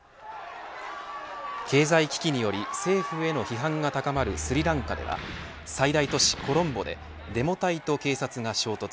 経済危機により政府への批判が高まるスリランカでは最大都市コロンボでデモ隊と警察が衝突。